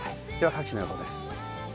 各地の予報です。